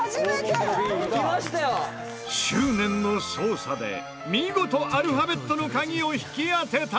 執念の捜査で見事アルファベットの鍵を引き当てた！